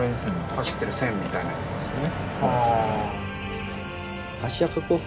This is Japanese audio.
走ってる線みたいなやつですよね。